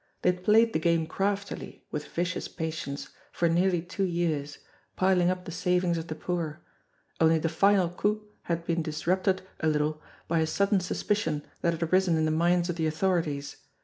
They had played the game craftily, with vicious patience, for nearly two years, piling up the savings of the poor only the final coup had been disrupted a little by a sudden suspicion that had arisen in the minds of the authorities.